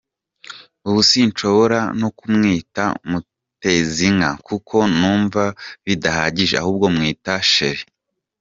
Ubu sinshobora no kumwita Mutezinka kuko numva bidahagije ahubwo mwita ‘Chérie’”.